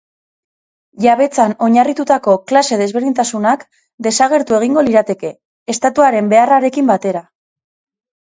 Jabetzan oinarritutako klase-desberdintasunak desagertu egingo lirateke, estatuaren beharrarekin batera.